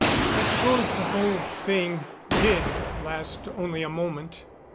I suppose the whole thing did last only a moment.